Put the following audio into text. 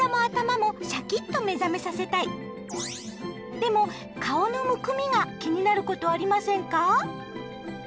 でも顔のむくみが気になることありませんか？